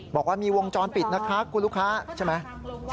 บอกว่ามีวงจรปิดนะคะคุณลูกค้าใช่ไหม